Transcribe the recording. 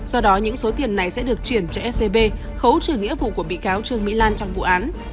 do đó những số tiền này sẽ được chuyển cho scb khấu trừ nghĩa vụ của bị cáo trương mỹ lan trong vụ án